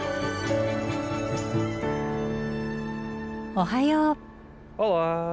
おはよう。